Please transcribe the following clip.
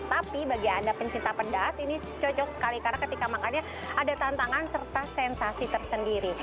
tapi bagi anda pencinta pedas ini cocok sekali karena ketika makannya ada tantangan serta sensasi tersendiri